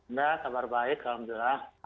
nah kabar baik selamat jalan